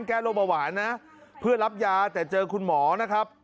แก้โรคเบาหวานนะเพื่อรับยาแต่เจอคุณหมอนะครับ